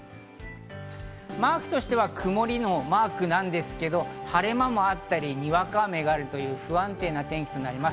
マークとしては曇りのマークなんですけど晴れ間もあったり、にわか雨があるという不安定な天気となります。